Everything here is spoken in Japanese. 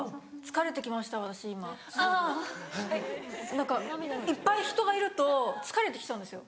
何かいっぱい人がいると疲れてきちゃうんですよ。